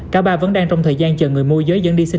cả ba vẫn đang trong thời gian chờ người môi giới dẫn đi sinh